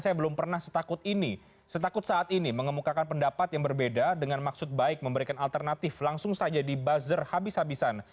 saya belum pernah setakut ini setakut saat ini mengemukakan pendapat yang berbeda dengan maksud baik memberikan alternatif langsung saja di buzzer habis habisan